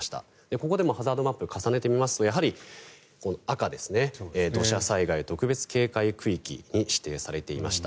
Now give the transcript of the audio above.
ここでもハザードマップを重ねてみますとやはり赤土砂災害特別警戒区域に指定されていました。